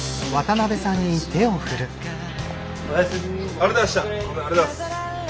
ありがとうございます。